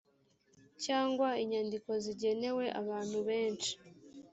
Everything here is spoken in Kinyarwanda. cyangwa inyandiko zigenewe abantu benshi